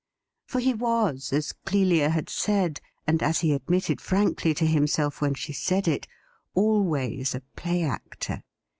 For he was, as Clelia had said, and as he admitted frankly to him self \yhen she said it, always a play actor.